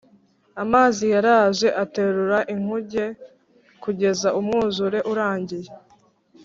amazi yaraje aterura inkuge kugeza umwuzure urangiye